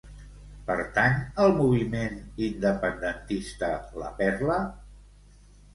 Pertany al moviment independentista la Perla?